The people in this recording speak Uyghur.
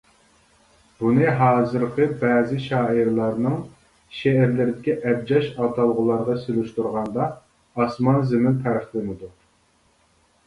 بۇنى ھازىرقى بەزى شائىرلارنىڭ شېئىرلىرىدىكى ئەبجەش ئاتالغۇلارغا سېلىشتۇرغاندا ئاسمان- زېمىن پەرقلىنىدۇ.